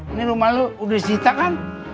ini rumah lo udah disita kan